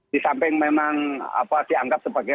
disamping memang apa dianggap sebagai